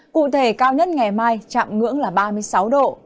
cụ thể cao nhất ngày mai chạm ngưỡng là ba mươi sáu độ